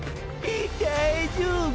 大丈夫ゥ？